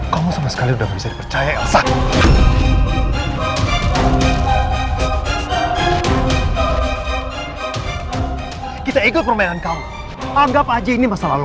kamu jangan percaya ini semua